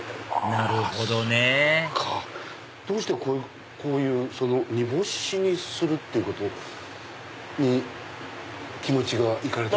なるほどねどうしてこういう煮干しにするってことに気持ちが行かれたんですか？